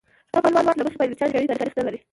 زما معلومات له مخې پایلوچان یوې پیړۍ تاریخ نه لري.